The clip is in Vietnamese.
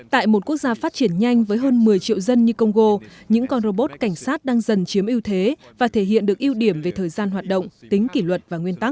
tại một quốc gia phát triển nhanh với hơn một mươi triệu dân như congo những con robot cảnh sát đang dần chiếm ưu thế và thể hiện được ưu điểm về thời gian hoạt động tính kỷ luật và nguyên tắc